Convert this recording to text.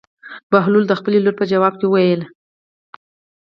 بهلول د خپلې لور په ځواب کې وویل.